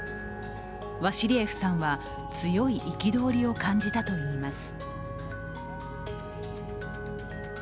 ワシリエフさんは強い憤りを感じたといいます。